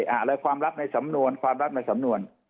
อะไรความลับในสำนวนความลับในสำนวน